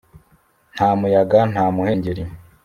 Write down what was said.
nta muyaga, nta muhengeri